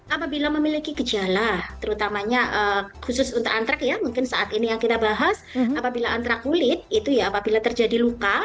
apabila memiliki gejala terutamanya khusus untuk antrak ya mungkin saat ini yang kita bahas apabila antra kulit itu ya apabila terjadi luka